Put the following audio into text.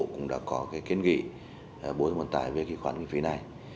cũng đã có cái kiến nghị bộ giao thông vận tải về cái khoản kinh phí này